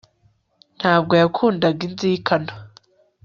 Ntabwo yakundaga inzika nto